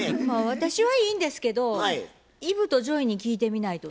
私はいいんですけどイブとジョイに聞いてみないとね。